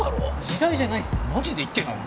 時代じゃないですよ